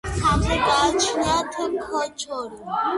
თავზე გააჩნიათ ქოჩორი.